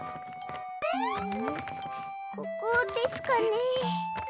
ここですかね？